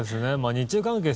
日中関係